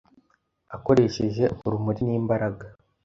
akoresheje urumuri n’imbaraga